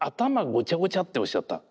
ごちゃごちゃっておっしゃった。